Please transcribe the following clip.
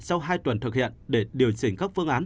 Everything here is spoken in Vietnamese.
sau hai tuần thực hiện để điều chỉnh các phương án